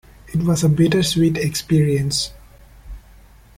It was a bittersweet experience.